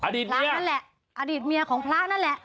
อดีตเมียอดีตเมียของพระนั่นแหละ